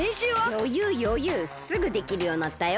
よゆうよゆうすぐできるようになったよ。